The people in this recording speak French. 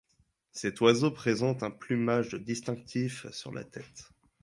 Cet oiseau présente un plumage distinctif sur la tête.